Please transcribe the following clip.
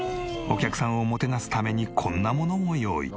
お客さんをもてなすためにこんなものも用意。